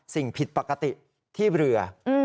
สิ่งผิดปกติที่เรือ